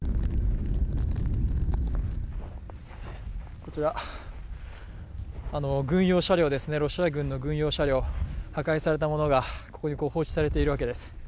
こちら軍用車両ですねロシア軍の軍用車両破壊されたものがここに放置されているわけです。